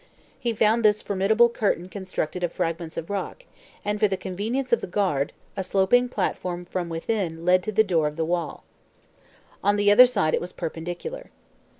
He found this formidable curtain constructed of fragments of rock, and for the convenience of the guard, a sloping platform from within led to the top of the wall. On the other side it was perpendicular.